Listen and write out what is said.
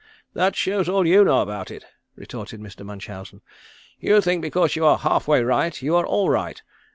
"That shows all you know about it," retorted Mr. Munchausen. "You think because you are half way right you are all right.